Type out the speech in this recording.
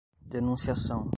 denunciação